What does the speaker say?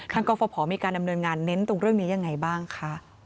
กรฟภมีการดำเนินงานเน้นตรงเรื่องนี้ยังไงบ้างคะ